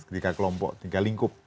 tiga kelompok tiga lingkup